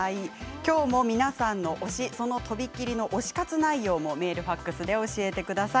きょうも皆さんの推しそのとびっきりの推し活内容もメール、ファックスで教えてください。